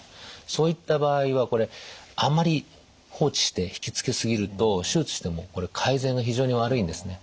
そういった場合はあまり放置して引きつけ過ぎると手術しても改善が非常に悪いんですね。